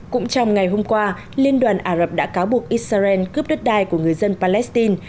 cũng trong ngày hôm qua liên đoàn ả rập đã cáo buộc israel cướp đất đai của người dân palestine